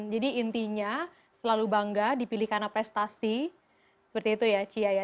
jadi intinya selalu bangga dipilih karena prestasi seperti itu ya cia ya